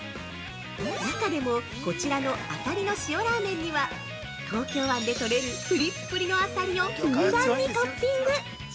中でもこちらのあさりの塩ラーメンには東京湾で獲れるぷりっぷりのアサリをふんだんにトッピング！